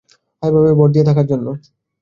হ্যাঁ, এভাবে ভর দিয়ে থাকার জন্য।